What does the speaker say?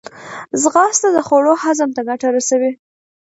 ځغاسته د خوړو هضم ته ګټه رسوي